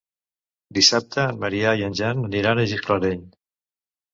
Dissabte en Maria i en Jan aniran a Gisclareny.